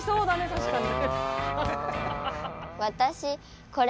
確かに。